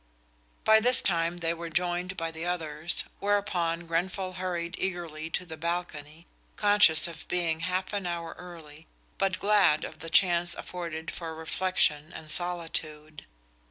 By this time they were joined by the others, whereupon Grenfall hurried eagerly to the balcony, conscious of being half an hour early, but glad of the chance afforded for reflection and solitude.